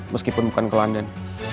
meskipun bukan ke london